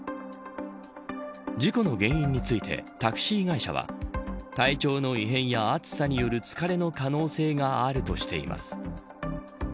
事故の原因についてタクシー会社は体調の異変や暑さによる疲れの可能性があるとしています。